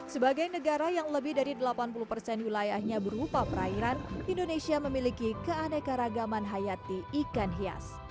sebagai negara yang lebih dari delapan puluh persen wilayahnya berupa perairan indonesia memiliki keanekaragaman hayati ikan hias